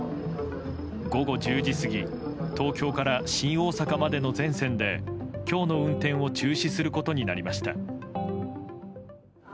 午後１０時過ぎ東京から新大阪までの全線で今日の運転を中止することになりました。